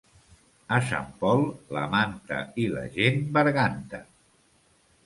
A Sant Pol, la manta i la gent berganta.